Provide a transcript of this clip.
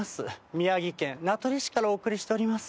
宮城県名取市からお送りしております。